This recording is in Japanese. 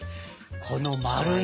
この丸ね。